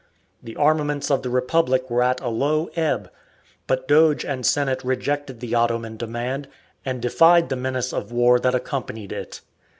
The armaments of the Republic were at a low ebb, but Doge and Senate rejected the Ottoman demand, and defied the menace of war that accompanied it.